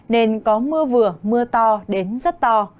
nên có mưa vừa mưa to đến rất to